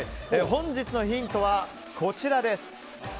本日のヒントは、こちらです。